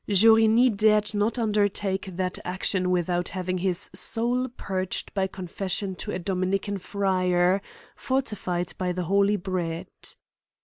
Jaurigni dared not undertake that action without having his soul, purged by con fession to a dominican friar, fortified by the holy bread."